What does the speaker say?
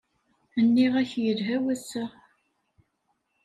Nniɣ-ak yelha wass-a!